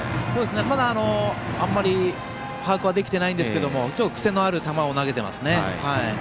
まだ、あまり把握はできていないんですが癖のある球を投げていますね。